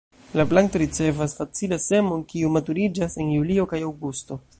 La planto ricevas facile semon, kiu maturiĝas en julio kaj aŭgusto.